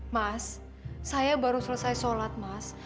mas saya baru selesai sholat mas